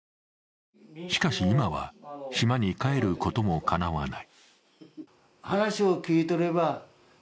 しかし今は、島に帰ることもかなわない。